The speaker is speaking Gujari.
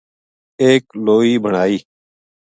اک لوئی بنائی